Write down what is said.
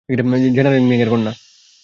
General Ming এর কন্যা!